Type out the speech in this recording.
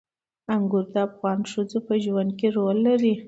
انګور د افغان ښځو په ژوند کې رول لري.